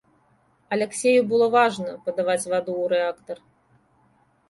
Аляксею было важна падаваць ваду ў рэактар.